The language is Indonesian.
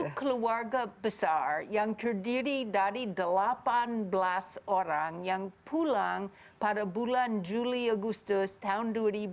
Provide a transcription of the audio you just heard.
satu keluarga besar yang terdiri dari delapan belas orang yang pulang pada bulan juli agustus tahun dua ribu dua puluh